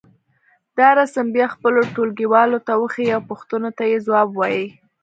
دا رسم بیا خپلو ټولګيوالو ته وښیئ او پوښتنو ته یې ځواب ووایئ.